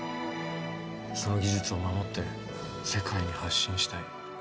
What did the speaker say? その技術を守って世界に発信したい。